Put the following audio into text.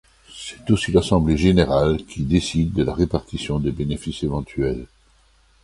C'est aussi l'assemblée générale qui décide de la répartition des bénéfices éventuels.